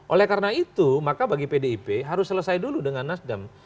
oleh karena itu maka bagi pdip harus selesai dulu dengan nasdem